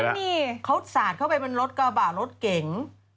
เขาสาดเข้าไปเป็นรถกาบ่ารถเก่ง